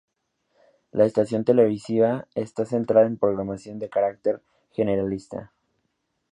La estación televisiva está centrada en programación de carácter generalista.